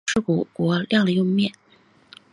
冻尸骨国亮了又灭。